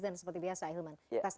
dan seperti biasa hilman